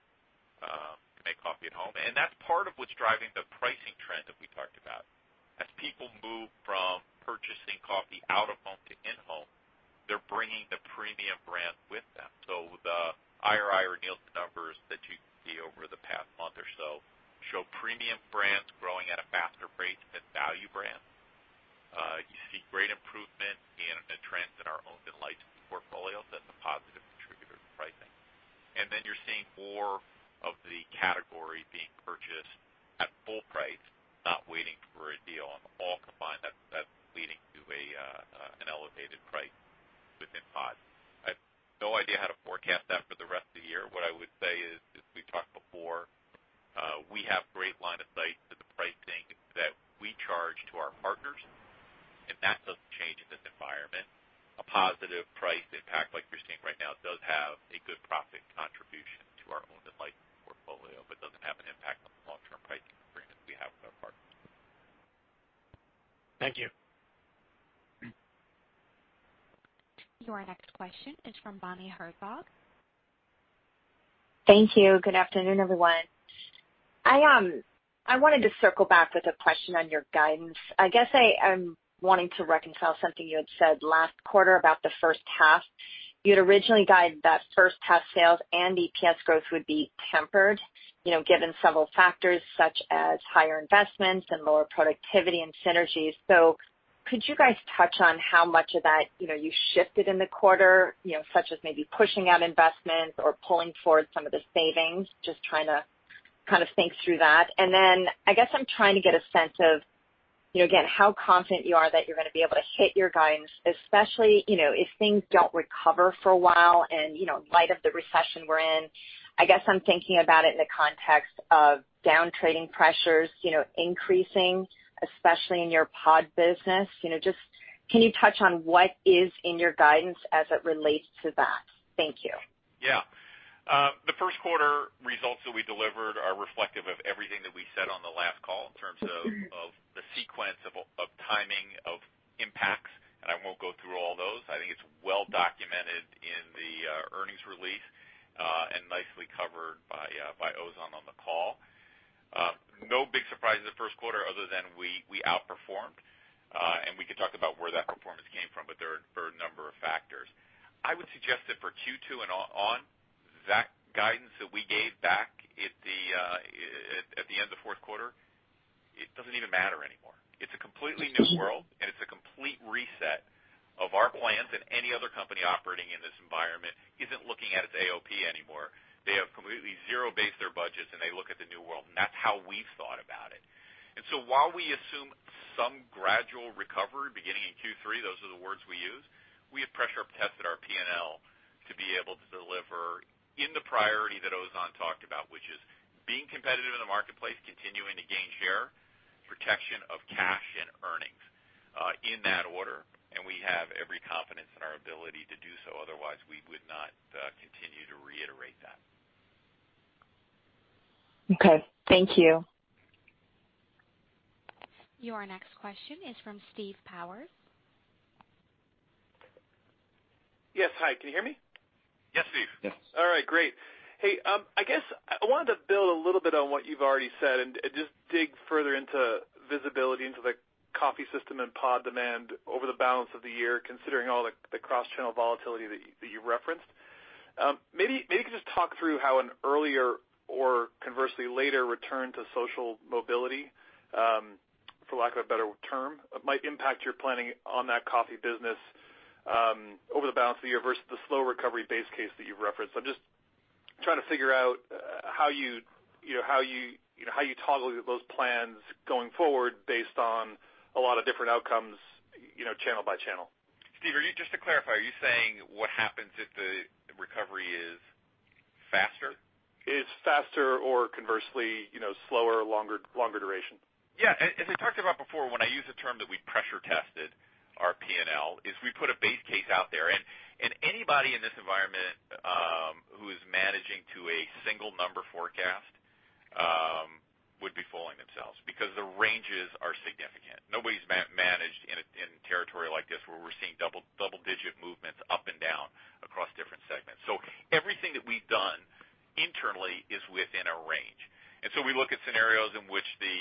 to make coffee at home. That's part of what's driving the pricing trend that we talked about. As people move from purchasing coffee out of home to in-home, they're bringing the premium brand with them. The IRI and Nielsen numbers that you see over the past month or so show premium brands growing at a faster rate than value brands. You see great improvement in the trends in our owned and licensed portfolio. That's a positive contributor to pricing. You're seeing more of the category being purchased at full price, not waiting for a deal. All combined, that's leading to an elevated price within pods. I have no idea how to forecast that for the rest of the year. What I would say is, as we talked before, we have great line of sight to the pricing that we charge to our partners, and that doesn't change in this environment. A positive price impact like you're seeing right now does have a good profit contribution to our owned and licensed portfolio, but doesn't have an impact on the long-term price agreements we have with our partners. Thank you. Your next question is from Bonnie Herzog. Thank you. Good afternoon, everyone. I wanted to circle back with a question on your guidance. I guess I am wanting to reconcile something you had said last quarter about the first half. You had originally guided that first half sales and EPS growth would be tempered, given several factors such as higher investments and lower productivity and synergies. Could you guys touch on how much of that you shifted in the quarter, such as maybe pushing out investments or pulling forward some of the savings? Just trying to kind of think through that. Then I guess I'm trying to get a sense of, again, how confident you are that you're going to be able to hit your guidance, especially, if things don't recover for a while and, in light of the recession we're in. I guess I'm thinking about it in the context of down trading pressures increasing, especially in your pod business. Just can you touch on what is in your guidance as it relates to that? Thank you. Yeah. The first quarter results that we delivered are reflective of everything that we said on the last call in terms of the sequence of timing of impacts. I won't go through all those. I think it's well documented in the earnings release, nicely covered by Ozan on the call. No big surprises the first quarter other than we outperformed. We can talk about where that performance came from. There are a number of factors. I would suggest that for Q2 and on, that guidance that we gave back at the end of fourth quarter, it doesn't even matter anymore. It's a completely new world. It's a complete reset of our plans and any other company operating in this environment isn't looking at its AOP anymore. They have completely zero-based their budgets, and they look at the new world, and that's how we've thought about it. While we assume some gradual recovery beginning in Q3, those are the words we use, we have pressure tested our P&L to be able to deliver in the priority that Ozan talked about, which is being competitive in the marketplace, continuing to gain share, protection of cash and earnings, in that order, and we have every confidence in our ability to do so. Otherwise, we would not continue to reiterate that. Okay. Thank you. Your next question is from Steve Powers. Yes. Hi, can you hear me? Yes, Steve. Yes. All right, great. Hey, I guess I wanted to build a little bit on what you've already said and just dig further into visibility into the coffee system and pod demand over the balance of the year, considering all the cross-channel volatility that you referenced. Maybe you could just talk through how an earlier or conversely later return to social mobility, for lack of a better term, might impact your planning on that coffee business over the balance of the year versus the slow recovery base case that you've referenced. I'm just trying to figure out how you toggle those plans going forward based on a lot of different outcomes channel by channel. Steve, just to clarify, are you saying what happens if the recovery is faster? Is faster or conversely, slower, longer duration. As we talked about before, when I use the term that we pressure tested our P&L, is we put a base case out there, and anybody in this environment who is managing to a single number forecast would be fooling themselves because the ranges are significant. Nobody's managed in a territory like this where we're seeing double-digit movements up and down across different segments. Everything that we've done internally is within a range. We look at scenarios in which the,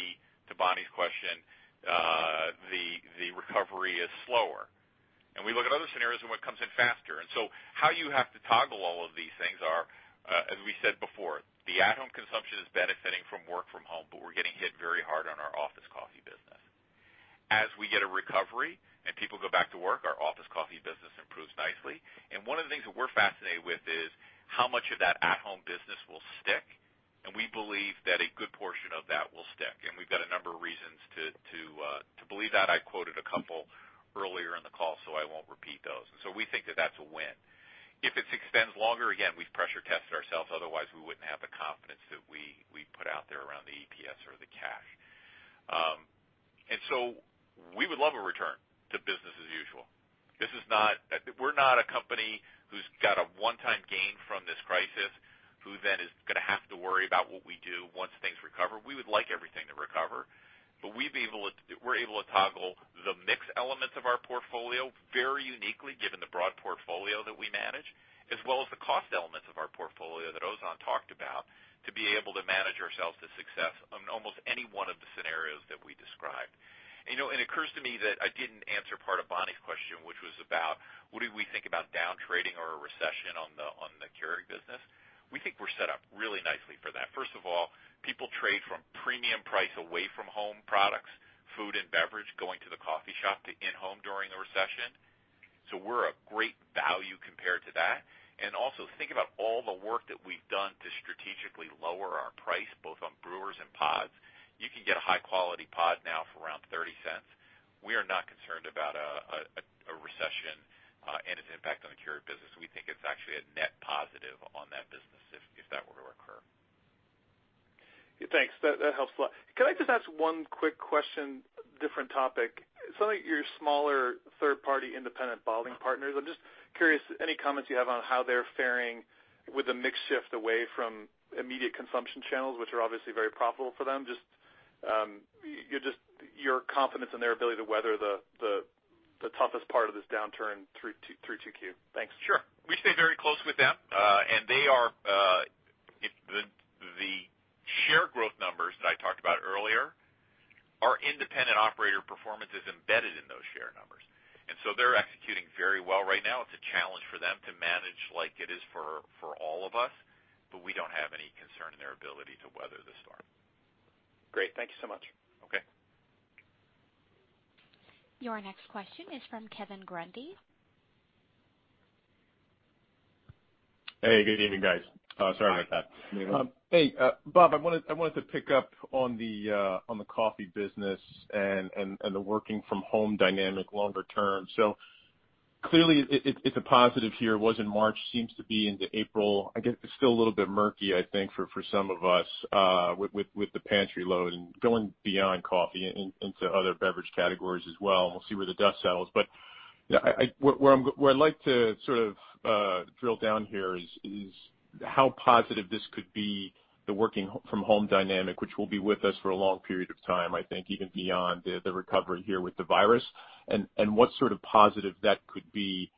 to Bonnie's question, the recovery is slower. We look at other scenarios and what comes in faster. How you have to toggle all of these things are, as we said before, the at-home consumption is benefiting from work from home, but we're getting hit very hard on our office coffee business. As we get a recovery and people go back to work, our office coffee business improves nicely, and one of the things that we're fascinated with is how much of that at-home business will stick. We believe that a good portion of that will stick. We've got a number of reasons to believe that. I quoted a couple earlier in the call, so I won't repeat those. We think that that's a win. If it extends longer, again, we've pressure tested ourselves, otherwise we wouldn't have the confidence that we put out there around the EPS or the cash. We would love a return to business as usual. We're not a company who's got a one-time gain from this crisis, who then is gonna have to worry about what we do once things recover. We would like everything to recover, but we're able to toggle the mix elements of our portfolio very uniquely given the broad portfolio that we manage, as well as the cost elements of our portfolio that Ozan talked about, to be able to manage ourselves to success on almost any one of the scenarios that we described. It occurs to me that I didn't answer part of Bonnie's question, which was about what do we think about down trading or a recession on the Keurig business? We think we're set up really nicely for that. First of all, people trade from premium price away from home products, food and beverage, going to the coffee shop to in-home during a recession. We're a great value compared to that. Also think about all the work that we've done to strategically lower our price, both on brewers and pods. You can get a high-quality pod now for around $0.30. We are not concerned about a recession and its impact on the Keurig business. We think it's actually a net positive on that business if that were to occur. Thanks. That helps a lot. Can I just ask one quick question, different topic? Some of your smaller third-party independent bottling partners, I'm just curious, any comments you have on how they're faring with the mix shift away from immediate consumption channels, which are obviously very profitable for them. Just your confidence in their ability to weather the toughest part of this downturn through 2Q. Thanks. Sure. We stay very close with them. The share growth numbers that I talked about earlier, our independent operator performance is embedded in those share numbers, and so they're executing very well right now. It's a challenge for them to manage like it is for all of us, but we don't have any concern in their ability to weather the storm. Great. Thank you so much. Okay. Your next question is from Kevin Grundy. Hey, good evening, guys. Sorry about that. Hi, Kevin. Hey, Bob, I wanted to pick up on the coffee business and the working from home dynamic longer term. Clearly it's a positive here. It was in March, seems to be into April. I guess it's still a little bit murky, I think, for some of us, with the pantry load and going beyond coffee into other beverage categories as well, and we'll see where the dust settles. Where I'd like to sort of drill down here is how positive this could be, the working from home dynamic, which will be with us for a long period of time, I think, even beyond the recovery here with the virus, and what sort of positive that could be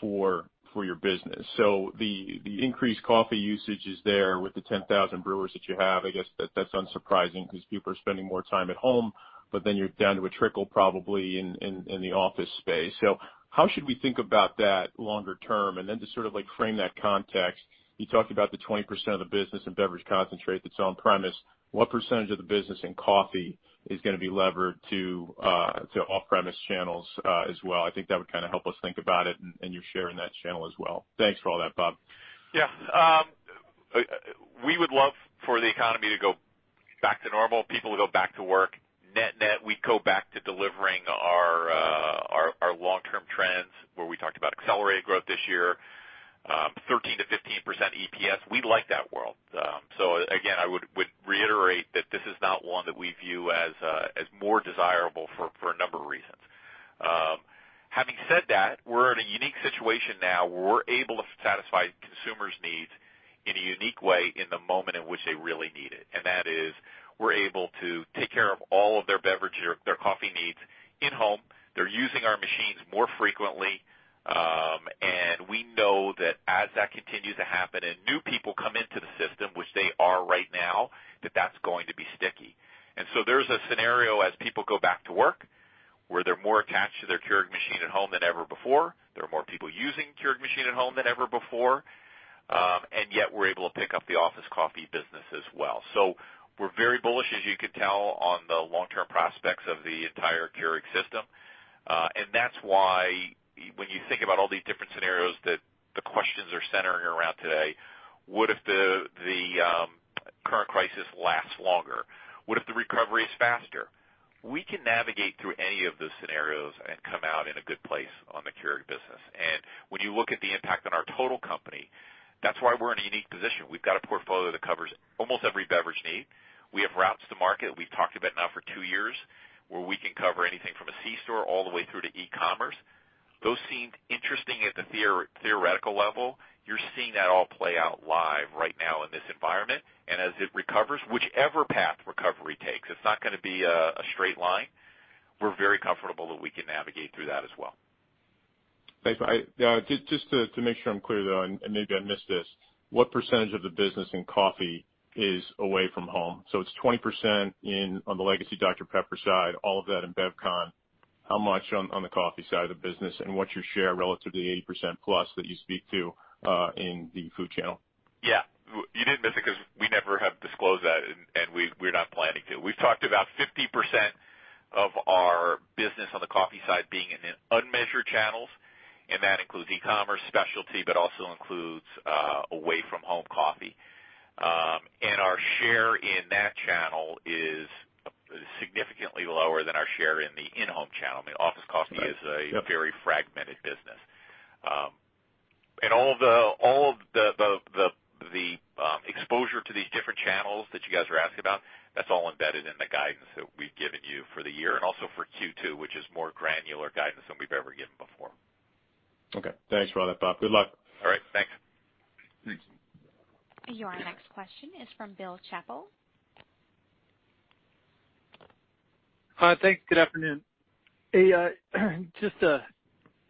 for your business. The increased coffee usage is there with the 10,000 brewers that you have. I guess that's unsurprising because people are spending more time at home, but then you're down to a trickle probably in the office space. How should we think about that longer term? Then to sort of like frame that context, you talked about the 20% of the business in beverage concentrate that's on premise. What percentage of the business in coffee is gonna be levered to off-premise channels as well? I think that would kind of help us think about it and your share in that channel as well. Thanks for all that, Bob. We would love for the economy to go back to normal, people to go back to work, net-net we go back to delivering our long-term trends where we talked about accelerated growth this year, 13%-15% EPS. We'd like that world. Again, I would reiterate that this is not one that we view as more desirable for a number of reasons. Having said that, we're in a unique situation now where we're able to satisfy consumers' needs in a unique way in the moment in which they really need it. That is, we're able to take care of all of their beverage or their coffee needs in home. They're using our machines more frequently. We know that as that continues to happen and new people come into the system, which they are right now, that that's going to be sticky. There's a scenario as people go back to work where they're more attached to their Keurig machine at home than ever before. There are more people using Keurig machine at home than ever before. We're able to pick up the office coffee business as well. We're very bullish, as you could tell, on the long-term prospects of the entire Keurig system. That's why when you think about all these different scenarios that the questions are centering around today, what if the current crisis lasts longer. What if the recovery is faster? We can navigate through any of the scenarios and come out in a good place on the Keurig business. When you look at the impact on our total company, that's why we're in a unique position. We've got a portfolio that covers almost every beverage need. We have routes to market we've talked about now for two years, where we can cover anything from a C-store all the way through to e-commerce. Those seemed interesting at the theoretical level. You're seeing that all play out live right now in this environment. As it recovers, whichever path recovery takes, it's not gonna be a straight line. We're very comfortable that we can navigate through that as well. Thanks. Just to make sure I'm clear, though, and maybe I missed this. What percentage of the business in coffee is away from home? It's 20% on the legacy Dr Pepper side, all of that in BevCon. How much on the coffee side of the business, and what's your share relative to the 80%+ that you speak to in the food channel? Yeah. You didn't miss it because we never have disclosed that, and we're not planning to. We've talked about 50% of our business on the coffee side being in unmeasured channels. That includes e-commerce, specialty, but also includes away from home coffee. Our share in that channel is significantly lower than our share in the in-home channel. I mean, office coffee is a very fragmented business. All of the exposure to these different channels that you guys are asking about, that's all embedded in the guidance that we've given you for the year and also for Q2, which is more granular guidance than we've ever given before. Okay. Thanks for all that, Bob. Good luck. All right, thanks. Thanks. Your next question is from Bill Chappell. Hi, thanks. Good afternoon. Just a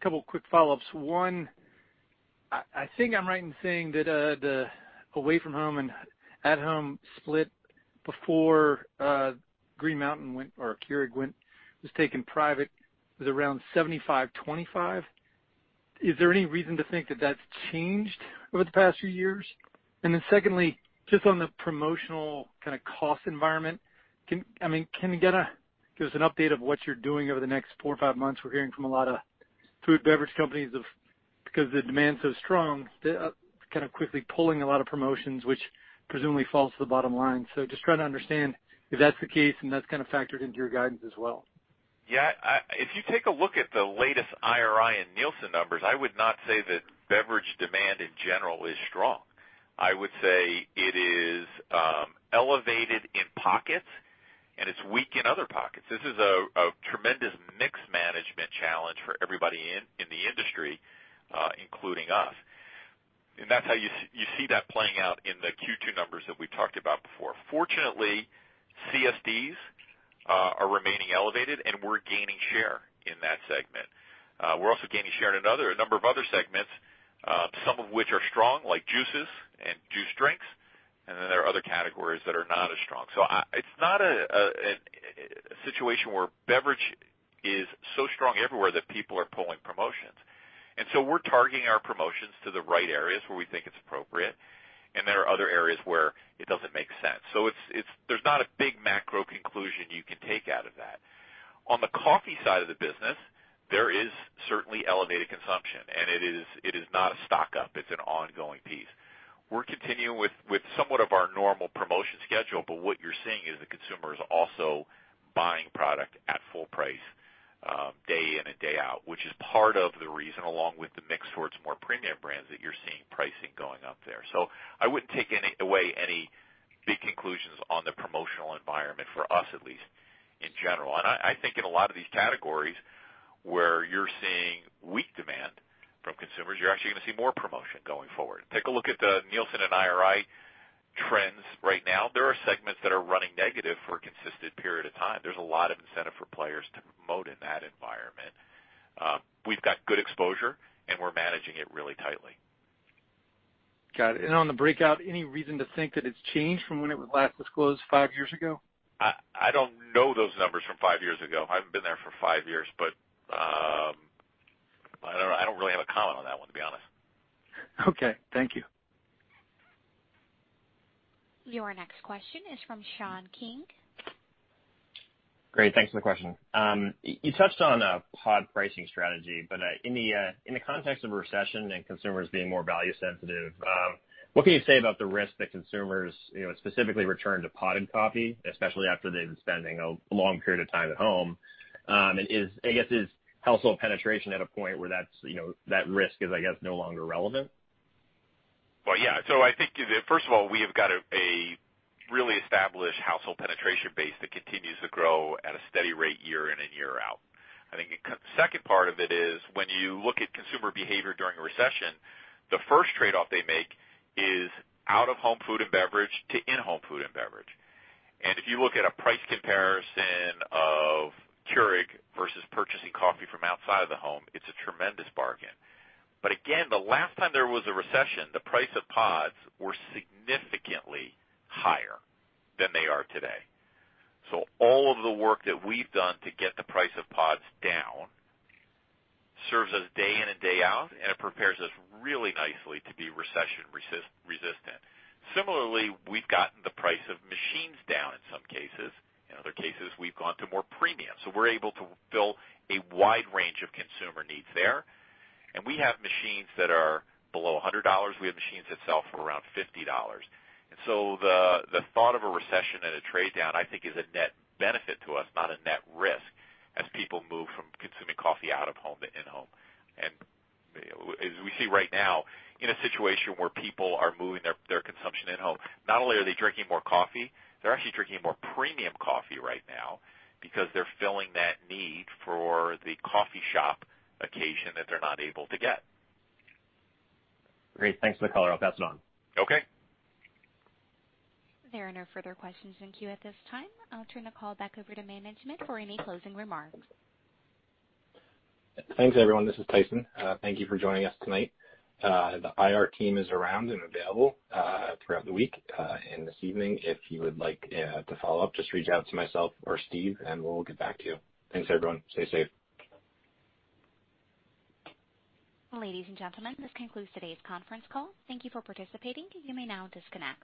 couple of quick follow-ups. One, I think I'm right in saying that the away from home and at-home split before Green Mountain or Keurig was taken private was around 75/25. Is there any reason to think that that's changed over the past few years? Secondly, just on the promotional kind of cost environment, can you give us an update of what you're doing over the next four or five months? We're hearing from a lot of food beverage companies of, because the demand's so strong, they're kind of quickly pulling a lot of promotions, which presumably falls to the bottom line. Just trying to understand if that's the case and that's kind of factored into your guidance as well. If you take a look at the latest IRI and Nielsen numbers, I would not say that beverage demand in general is strong. I would say it is elevated in pockets and it's weak in other pockets. This is a tremendous mix management challenge for everybody in the industry, including us. You see that playing out in the Q2 numbers that we talked about before. Fortunately, CSDs are remaining elevated, and we're gaining share in that segment. We're also gaining share in a number of other segments, some of which are strong, like juices and juice drinks, and then there are other categories that are not as strong. It's not a situation where beverage is so strong everywhere that people are pulling promotions. We're targeting our promotions to the right areas where we think it's appropriate, and there are other areas where it doesn't make sense. There's not a big macro conclusion you can take out of that. On the coffee side of the business, there is certainly elevated consumption, and it is not a stock-up, it's an ongoing piece. We're continuing with somewhat of our normal promotion schedule, but what you're seeing is the consumer is also buying product at full price day in and day out, which is part of the reason, along with the mix towards more premium brands, that you're seeing pricing going up there. I wouldn't take away any big conclusions on the promotional environment for us at least in general. I think in a lot of these categories where you're seeing weak demand from consumers, you're actually gonna see more promotion going forward. Take a look at the Nielsen and IRI trends right now. There are segments that are running negative for a consistent period of time. There's a lot of incentive for players to promote in that environment. We've got good exposure, and we're managing it really tightly. Got it. On the breakout, any reason to think that it's changed from when it was last disclosed five years ago? I don't know those numbers from five years ago. I haven't been there for five years, but I don't really have a comment on that one, to be honest. Okay. Thank you. Your next question is from Sean King. Great. Thanks for the question. You touched on pod pricing strategy, but in the context of a recession and consumers being more value sensitive, what can you say about the risk that consumers specifically return to pot coffee, especially after they've been spending a long period of time at home? Is household penetration at a point where that risk is, I guess, no longer relevant? Well, yeah. I think, first of all, we have got a really established household penetration base that continues to grow at a steady rate year in and year out. I think the second part of it is when you look at consumer behavior during a recession, the first trade-off they make is out-of-home food and beverage to in-home food and beverage. If you look at a price comparison of Keurig versus purchasing coffee from outside of the home, it's a tremendous bargain. Again, the last time there was a recession, the price of pods were significantly higher than they are today. All of the work that we've done to get the price of pods down serves us day in and day out, and it prepares us really nicely to be recession-resistant. Similarly, we've gotten the price of machines down in some cases. In other cases, we've gone to more premium. We're able to build a wide range of consumer needs there. We have machines that are below $100, we have machines that sell for around $50. The thought of a recession and a trade-down, I think is a net benefit to us, not a net risk, as people move from consuming coffee out of home to in-home. As we see right now, in a situation where people are moving their consumption in-home, not only are they drinking more coffee, they're actually drinking more premium coffee right now because they're filling that need for the coffee shop occasion that they're not able to get. Great. Thanks for the color. I'll pass it on. Okay. There are no further questions in queue at this time. I'll turn the call back over to management for any closing remarks. Thanks, everyone. This is Tyson. Thank you for joining us tonight. The IR team is around and available throughout the week and this evening. If you would like to follow up, just reach out to myself or Steve, and we'll get back to you. Thanks, everyone. Stay safe. Ladies and gentlemen, this concludes today's conference call. Thank you for participating. You may now disconnect.